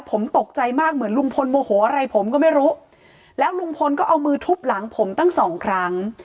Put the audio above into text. ผมตกใจมากเหมือนลุงพลโมโหอะไรผมก็ไม่รู้แล้วลุงพลก็เอามือทุบหลังผมตั้งสองครั้ง